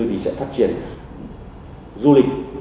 thì sẽ phát triển du lịch